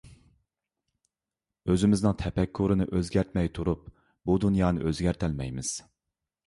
ئۆزىمىزنىڭ تەپەككۇرىنى ئۆزگەرتمەي تۇرۇپ بۇ دۇنيانى ئۆزگەرتەلمەيمىز.